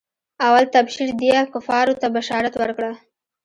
اول تبشير ديه کفارو ته بشارت ورکړه.